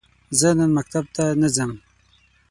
زه نن مکتب ته نه ځم.